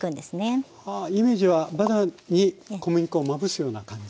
イメージはバターに小麦粉をまぶすような感じ。